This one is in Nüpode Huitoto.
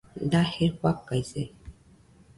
Daje fakaise